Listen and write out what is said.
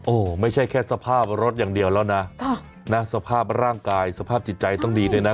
โอ้โหไม่ใช่แค่สภาพรถอย่างเดียวแล้วนะสภาพร่างกายสภาพจิตใจต้องดีด้วยนะ